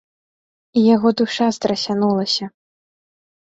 І яго душа страсянулася.